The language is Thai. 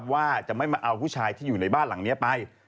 ว่าจะไม่มาเอาผู้ชายที่อยู่ในบ้านหลังนี้ไป